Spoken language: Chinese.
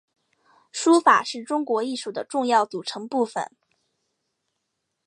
书法是中国艺术的重要组成部份。